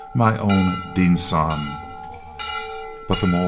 My own Dean San!" But the mole men!